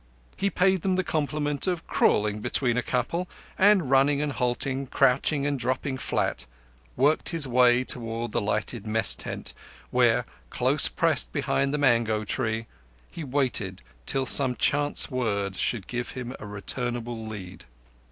He paid them the compliment of crawling between a couple, and, running and halting, crouching and dropping flat, worked his way toward the lighted Mess tent where, close pressed behind the mango tree, he waited till some chance word should give him a returnable lead.